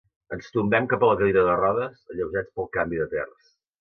Ens tombem cap a la cadira de rodes, alleujats pel canvi de terç.